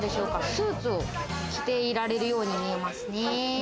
スーツを着ていられるように見えますね。